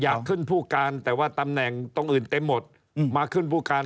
อยากขึ้นผู้การแต่ว่าตำแหน่งตรงอื่นเต็มหมดมาขึ้นผู้การ